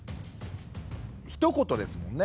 ひと言ですもんね。